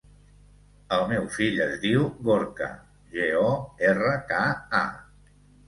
El meu fill es diu Gorka: ge, o, erra, ca, a.